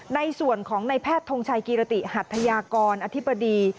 ในส่วนของในแพทย์ทงชัยกิรติหัทยากรอธิบดี